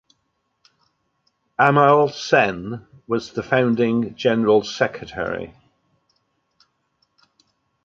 Amal Sen was the founding general secretary.